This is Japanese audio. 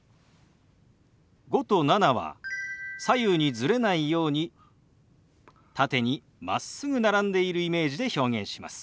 「５」と「７」は左右にズレないように縦にまっすぐ並んでいるイメージで表現します。